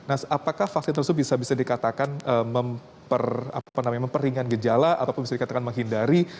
apakah vaksin tersebut bisa dikatakan memperingat gejala atau bisa dikatakan menghindari